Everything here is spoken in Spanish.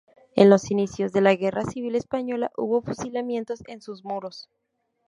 En los inicios de la Guerra Civil española hubo fusilamientos en sus muros.